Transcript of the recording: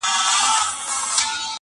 يو کال وروسته کلي بدل سوی،